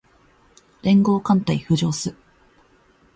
連合艦隊浮上す